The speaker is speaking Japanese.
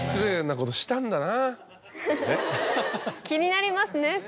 気になりますね